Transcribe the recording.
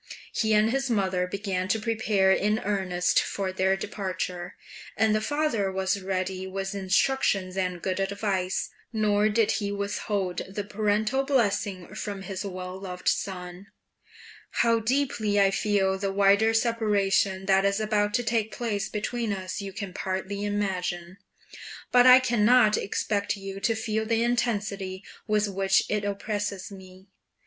He and his mother began to prepare in earnest for their departure, and the father was ready with instructions and good advice, nor did he withhold the paternal blessing from his well loved son: How deeply I feel the wider separation that is about to take place between us you can partly imagine, but I cannot expect you to feel the intensity with which it oppresses me.